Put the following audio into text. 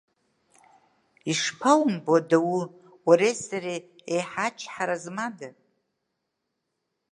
Ишԥаумбо, адоу, уареи сареи еҳе ачҳара змада?